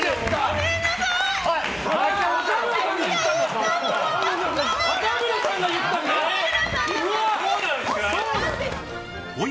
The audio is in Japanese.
ごめんなさい！